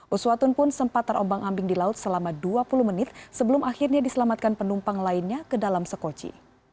uswatun pun sempat terombang ambing di laut selama dua puluh menit sebelum akhirnya diselamatkan penumpang lainnya ke dalam sekoci